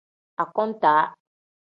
Akontaa.